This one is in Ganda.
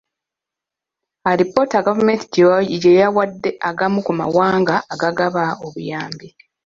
Alipoota gavumenti gye yawadde agamu ku mawanga agagaba obuyambi .